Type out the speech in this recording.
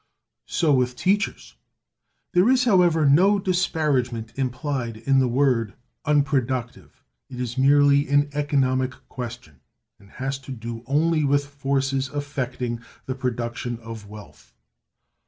So with teachers. There is, however, no disparagement implied in the word unproductive; it is merely an economic question, and has to do only with forces affecting the production of wealth.